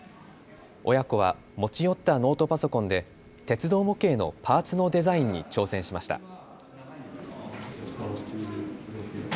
親子は持ち寄ったノートパソコンで鉄道模型のパーツのデザインに挑戦しました。